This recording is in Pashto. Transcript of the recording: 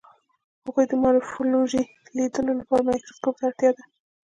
د هغوی د مارفولوژي لیدلو لپاره مایکروسکوپ ته اړتیا ده.